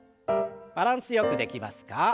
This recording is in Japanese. バランスよくできますか？